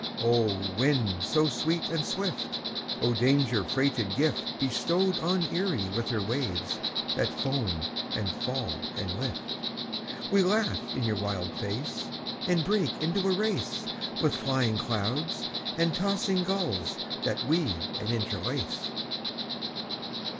O! wind so sweet and swift, O! danger freighted gift Bestowed on Erie with her waves that foam and fall and lift, We laugh in your wild face, And break into a race With flying clouds and tossing gulls that weave and interlace.